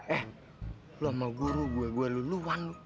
eh lu sama guru gue gue lu lu wang lu